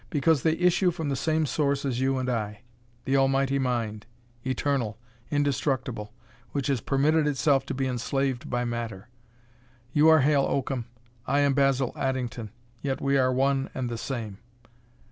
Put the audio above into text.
"Because they issue from the same source as you and I, the almighty mind, eternal, indestructible, which has permitted itself to be enslaved by matter. You are Hale Oakham. I am Basil Addington, yet we are one and the same.